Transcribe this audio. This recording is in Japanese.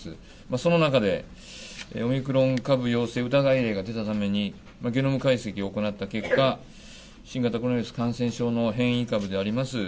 その中でオミクロン株陽性の疑いが出たためにゲノム解析を行った結果、新型コロナウイルス感染症の変異株であります。